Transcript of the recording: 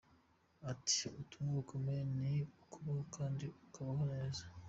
Ati“Ubutumwa bukomeye ni ukubaho kandi ukabaho neza.